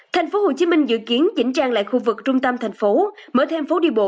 tp hcm dự kiến chỉnh trang lại khu vực trung tâm thành phố mở thêm phố đi bộ